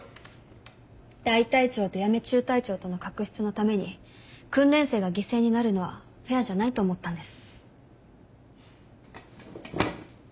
大隊長と八女中隊長との確執のために訓練生が犠牲になるのはフェアじゃないと思ったんです。